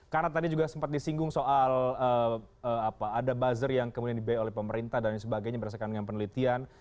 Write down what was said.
karena tadi juga sempat disinggung soal ada buzzer yang kemudian dibayar oleh pemerintah dan sebagainya berdasarkan dengan penelitian